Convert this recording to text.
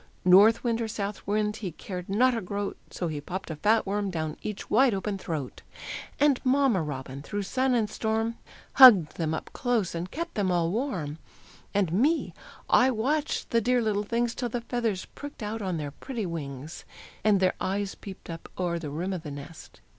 North wind or south wind, he cared not a groat, So he popped a fat worm down each wide open throat; And Mamma Robin through sun and storm Hugged them up close, and kept them all warm; And me, I watched the dear little things Till the feathers pricked out on their pretty wings, And their eyes peeped up o'er the rim of the nest.